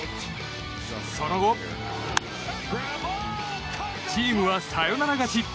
その後、チームはサヨナラ勝ち。